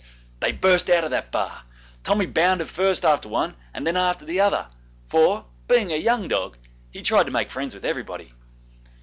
They burst out of that bar. Tommy bounded first after one and then after another, for, being a young dog, he tried to make friends with everybody.